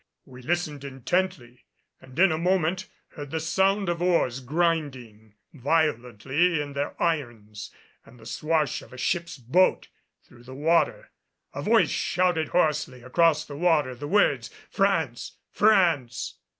We listened intently and in a moment heard the sound of oars grinding violently in their irons and the swash of a ship's boat through the water. A voice shouted hoarsely across the water the words "France! France!"